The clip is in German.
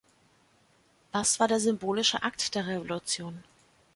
Was war der symbolische Akt der Revolution?